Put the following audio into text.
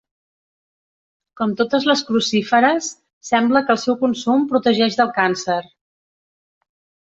Com totes les crucíferes sembla que el seu consum protegeix del càncer.